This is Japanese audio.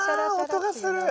あ音がする。